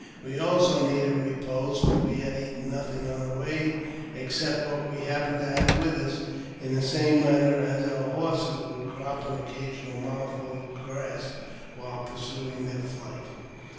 We also needec repose, for we had eaten nothing on the way except what w( happened to have with us, in the same manner as our horse would crop an occasional mouthful of grass while pursuii their flight.